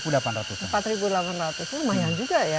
empat delapan ratus lumayan juga ya